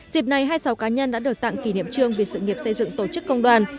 dịp này hai mươi sáu cá nhân đã được tặng kỷ niệm trương vì sự nghiệp xây dựng tổ chức công đoàn